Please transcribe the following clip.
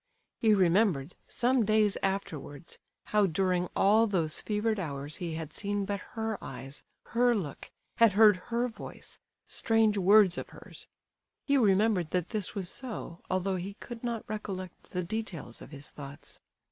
He remembered, some days afterwards, how during all those fevered hours he had seen but her eyes, her look, had heard her voice, strange words of hers; he remembered that this was so, although he could not recollect the details of his thoughts.